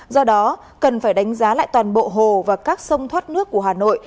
do đó cần phải đánh giá lại toàn bộ hồ và các sông thoát nước của hà nội